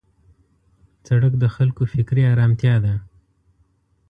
سړک د خلکو فکري آرامتیا ده.